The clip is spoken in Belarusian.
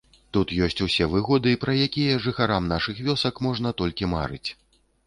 Тут ёсць усе выгоды, пра якія жыхарам нашых вёсак можна толькі марыць.